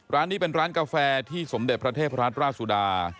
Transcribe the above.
ร้านนี้เป็นร้านกาแฟที่สมเด็จพระเทพรัฐราชสุดา